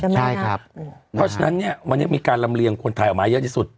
ใช่ครับเพราะฉะนั้นเนี่ยวันนี้มีการลำเลียงคนไทยออกมาเยอะที่สุด